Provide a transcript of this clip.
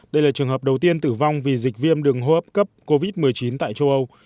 đây là trường hợp đầu tiên tử vong vì dịch viêm đường hô hấp cấp covid một mươi chín tại châu âu